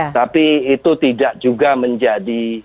tapi itu tidak juga menjadi